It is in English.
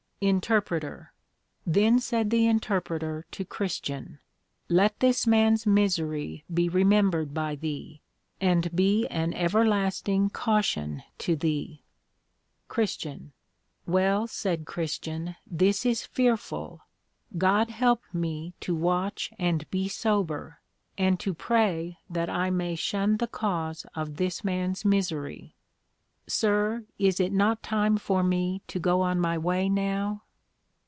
INTER. Then said the Interpreter to Christian, Let this man's misery be remembered by thee, and be an everlasting caution to thee. CHR. Well, said Christian, this is fearful; God help me to watch and be sober, and to pray that I may shun the cause of this man's misery. Sir, is it not time for me to go on my way now?